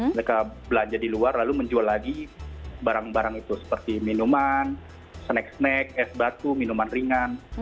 mereka belanja di luar lalu menjual lagi barang barang itu seperti minuman snack snack es batu minuman ringan